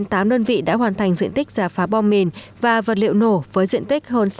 ba trên tám đơn vị đã hoàn thành diện tích giả phá bom mìn và vật liệu nổ với diện tích hơn sáu trăm hai mươi hectare